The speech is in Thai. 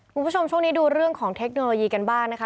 คุณผู้ชมช่วงนี้ดูเรื่องของเทคโนโลยีกันบ้างนะคะ